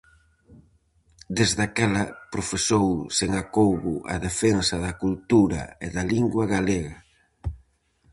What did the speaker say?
Desde aquela profesou sen acougo a defensa da cultura e da lingua galega.